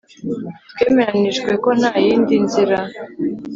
Twemeranijwe ko ntayindi nzira